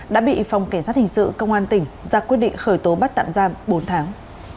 đã bị phòng cảnh sát hình sự công an tỉnh ra quyết định khởi tố bắt tạm giam bốn tháng